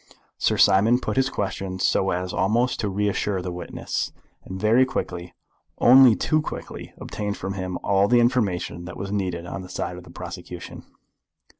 Sir Simon put his questions so as almost to reassure the witness; and very quickly, only too quickly, obtained from him all the information that was needed on the side of the prosecution.